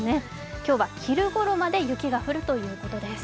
今日は昼ごろまで雪が降るということです。